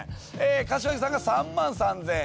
柏木さんが３万３，０００円。